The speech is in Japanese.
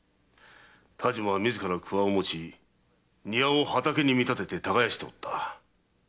但馬は自ら鍬を持ち庭を畑に見立てて耕しておった。